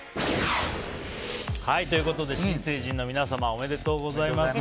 ということで、新成人の皆様おめでとうございます。